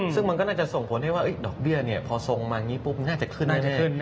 ซึ่งมันก็น่าจะส่งผลให้ว่าดอกเบี้ยพอทรงมาน่าจะขึ้นแน่